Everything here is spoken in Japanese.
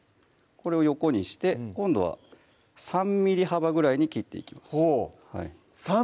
これを横にして今度は３ｍｍ幅ぐらいに切っていきます